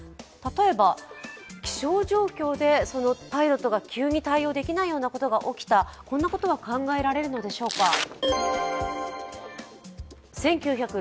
例えば気象状況で、パイロットが急に対応できないことが起きた、こんなことが考えられるでしょうか。